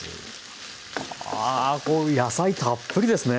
あこう野菜たっぷりですね。